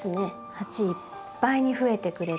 鉢いっぱいに増えてくれて。